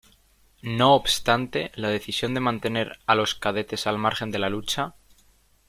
No obstante la decisión de mantener a los cadetes al margen de la lucha.